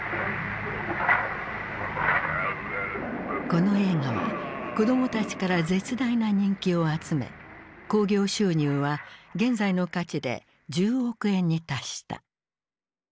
この映画は子どもたちから絶大な人気を集め興行収入は現在の価値で１０億円に達した。